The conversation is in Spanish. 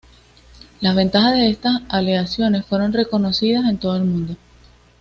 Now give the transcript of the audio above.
Las ventajas de estas aleaciones fueron reconocidas en todo el mundo.